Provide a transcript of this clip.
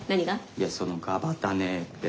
いやそのガバタネって。